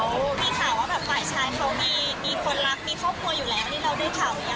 มีข่าวว่ามายชายเขามีมีคนรักมีครอบครัวอยู่แล้ว